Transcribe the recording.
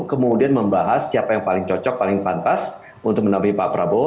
kemudian membahas siapa yang paling cocok paling pantas untuk menampil pak prabowo